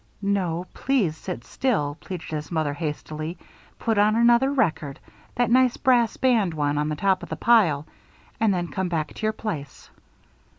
"No, please sit still," pleaded his mother, hastily. "Put on another record that nice brass band one on top of the pile and then come back to your place."